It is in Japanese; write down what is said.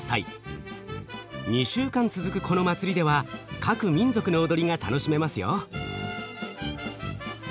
２週間続くこの祭りでは各民族の踊りが楽しめますよ！